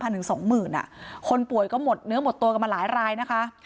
๓๐๐๐ถึง๒๐๐๐บาทคนป่วยก็เหนือหมดตัวกันมาหลายนะคะ